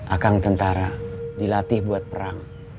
akang tentara dilatih buat perang